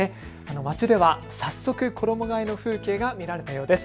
街では早速、衣がえの風景が見られたようです。